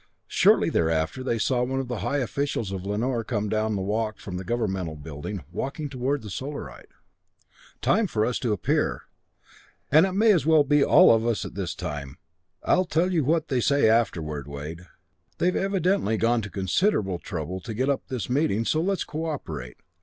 Shortly thereafter they saw one of the high officials of Lanor come down the walk from the governmental building, walking toward the Solarite. "Time for us to appear and it may as well be all of us this time. I'll tell you what they say afterward, Wade. They've evidently gone to considerable trouble to get up this meeting, so let's cooperate.